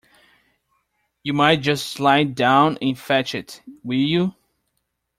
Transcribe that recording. You might just slide down and fetch it, will you?